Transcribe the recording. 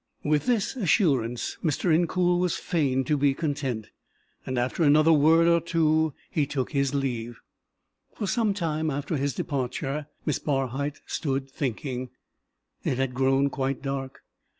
With this assurance Mr. Incoul was fain to be content, and, after another word or two, he took his leave. For some time after his departure, Miss Barhyte stood thinking. It had grown quite dark.